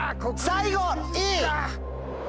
最後Ｅ！